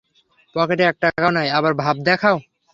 পকেটে এক টাকাও নাই, আবার ভাব দেখাও।